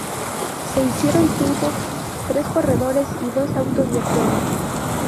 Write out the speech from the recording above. Se hicieron cinco, tres corredores y dos autos de prueba.